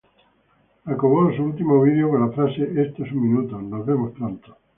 Acabó su último vídeo con la frase "Eso es un minuto, nos vemos pronto!